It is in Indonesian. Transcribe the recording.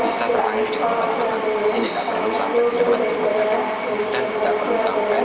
itu memang jadi prioritas kami